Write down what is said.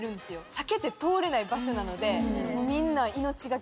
避けて通れない場所なので。